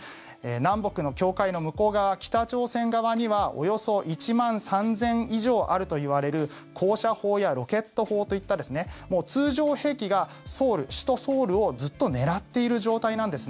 南北の境界の向こう側北朝鮮側にはおよそ１万３０００以上あるといわれる高射砲やロケット砲といった通常兵器が首都ソウルをずっと狙っている状態なんです。